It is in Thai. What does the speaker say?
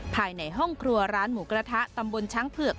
ภายในห้องครัวร้านหมูกระทะตำบลช้างเผือก